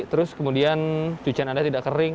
terus kemudian cucian anda tidak kering